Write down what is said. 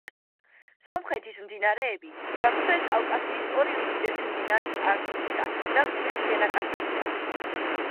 სომხეთის მდინარეები სამხრეთ კავკასიის ორი უდიდესი მდინარის არაქსისა და მტკვრის შენაკადებია.